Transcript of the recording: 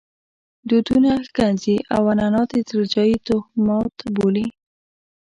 دودونه ښکنځي او عنعنات ارتجاعي توهمات بولي.